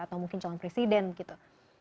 atau mungkin calon presiden gitu